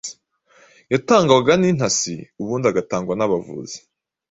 yatangwaga n’intasi, ubundi agatangwa n’abavuzi